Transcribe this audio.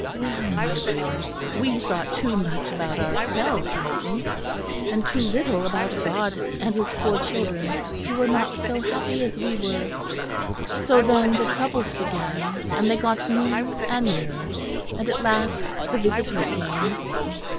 "Well, my dear, we thought too much about ourselves, I think; and too little about God and His poor children who were not so happy as we were; so then the troubles began; and they got nearer and nearer; and at last the Visitor came.